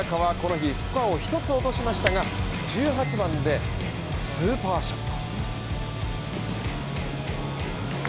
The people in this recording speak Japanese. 首位スタートの古江彩佳はこの日スコアを一つ落としましたが、１８番でスーパーショット